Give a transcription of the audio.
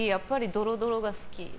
ドロドロが好き。